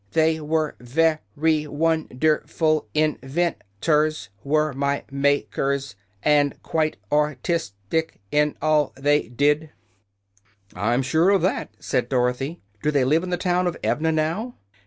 "They were ver y won der ful in ven tors, were my mak ers, and quite ar tis tic in all they did." "I am sure of that," said Dorothy. "Do they live in the town of Evna now?"